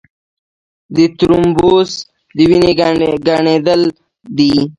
د ترومبوس د وینې ګڼېدل دي.